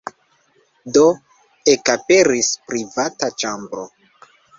Do, ekaperis privata ĉambro.